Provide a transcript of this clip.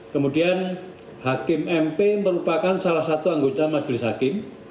kemudian hakim mp merupakan salah satu anggota majelis hakim